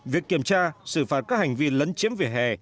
việc kiểm tra xử phạt các hành vi lấn chiếm vỉa hè